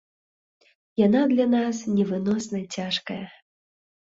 Яна для нас невыносна цяжкая.